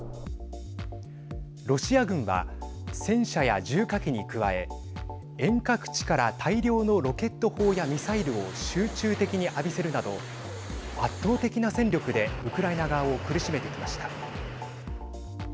ロシア軍は戦車や重火器に加え遠隔地から大量のロケット砲やミサイルを集中的に浴びせるなど圧倒的な戦力でウクライナ側を苦しめてきました。